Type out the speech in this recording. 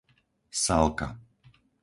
Salka